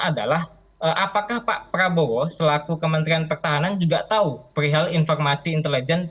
adalah apakah pak prabowo selaku kementerian pertahanan juga tahu perihal informasi intelijen